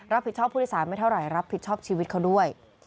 รับผิดชอบผู้โดยสารไม่เท่าไรรับผิดชอบชีวิตเขาด้วย